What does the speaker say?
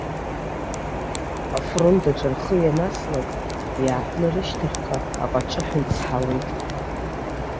Афронт аҿы рхы ианаслак иааҳәны рышьтахьҟа аҟаҿыҳәа ицҳауеит.